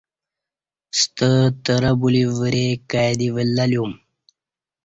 ستاترہ بلی ورے کا ی دی ولہ لیوم